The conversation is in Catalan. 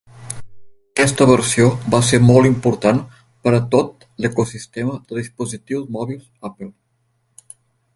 Aquesta versió va ser molt important per a tot l'ecosistema de dispositius mòbils d'Apple.